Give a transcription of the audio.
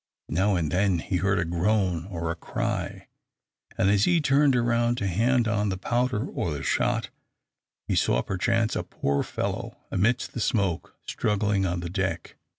Now and then he heard a groan or a cry, and as he turned round to hand on the powder or the shot, he saw perchance a poor fellow amidst the smoke struggling on the deck.